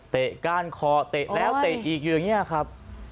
ก้านคอเตะแล้วเตะอีกอยู่อย่างนี้ครับ